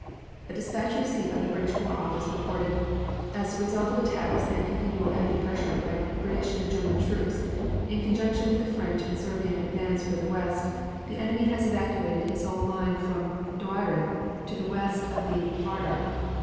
A dispatch received by the British War Office reported "As the result of attacks and continual heavy pressure by British and Greek troops, in conjunction with the French and Serbian advance farther west, the enemy has evacuated his whole line from Doiran to the west of the Vardar."